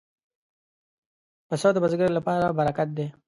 پسه د بزګر لپاره برکت دی.